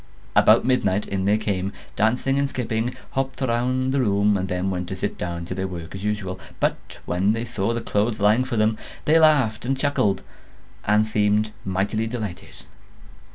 About midnight in they came, dancing and skipping, hopped round the room, and then went to sit down to their work as usual; but when they saw the clothes lying for them, they laughed and chuckled, and seemed mightily delighted.